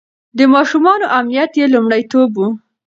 د ماشومانو امنيت يې لومړيتوب و.